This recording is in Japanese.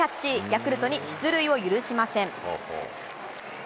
ヤクルトに出塁を許しません。